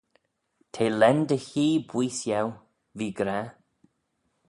T'eh lane dy hee booise eu, v'ee gra.